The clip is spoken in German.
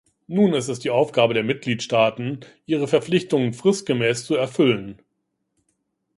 Nun ist es Aufgabe der Mitgliedstaaten, ihre Verpflichtungen fristgemäß zu erfüllen.